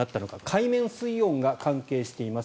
海面水温が関係しています。